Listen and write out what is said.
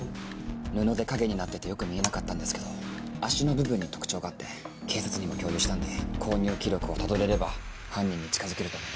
布で陰になっててよく見えなかったんですけど脚の部分に特徴があって警察にも共有したんで購入記録をたどれれば犯人に近づけると思います。